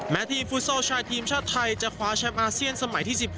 ทีมฟุตซอลชายทีมชาติไทยจะคว้าแชมป์อาเซียนสมัยที่๑๖